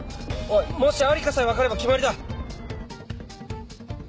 もし在りかさえ分かれば決まりだ。